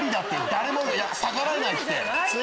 誰も逆らえないって。